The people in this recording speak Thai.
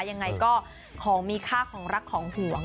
ยังไงก็ของมีค่าของรักของห่วง